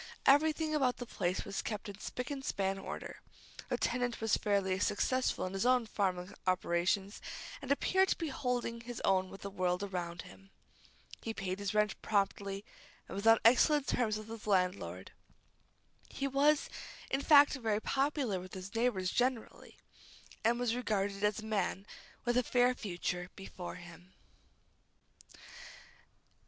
Everything about the place was kept in spick and span order. The tenant was fairly successful in his farming operations, and appeared to be holding his own with the world around him. He paid his rent promptly, and was on excellent terms with his landlord. He was, in fact, rather popular with his neighbors generally, and was regarded as a man with a fair future before him.